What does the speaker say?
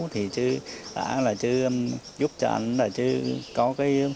thì chứ đã là chưa giúp cho anh là chứ có cái